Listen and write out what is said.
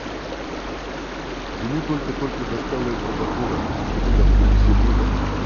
Ему только-только достало этого дохода, чтобы заткнуть все дыры.